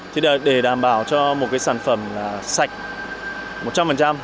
thì để đảm bảo cho một cái sản phẩm là sạch một trăm linh